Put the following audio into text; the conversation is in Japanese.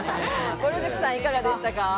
ぼる塾さん、いかがでしたか？